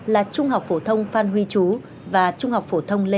là trung học phổ thông phan huy chú và trung học phổ thông lê